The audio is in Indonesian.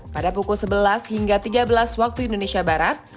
pada pukul sebelas hingga tiga belas waktu indonesia barat